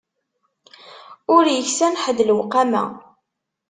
Ur iksan ḥedd lewqama.